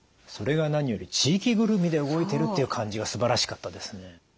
それが何より地域ぐるみで動いてるっていう感じがすばらしかったですね。